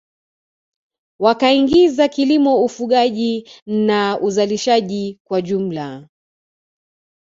Wakaingiza kilimo ufugaji na uzalishaji kwa jumla